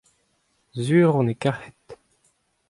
sur on e karhed.